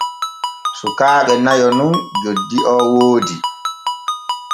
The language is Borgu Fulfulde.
Sukaaɓe nayo nun joddi o woodi.